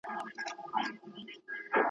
ړانده وګړي د دلبرو قدر څه پیژني.